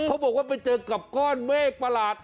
เขาบอกว่าไปเจอกับก้อนเมฆประหลาด